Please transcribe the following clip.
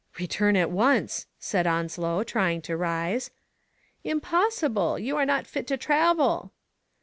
"Return at once," said Onslow, trying to rise. "Impossible. You are not fit to travel."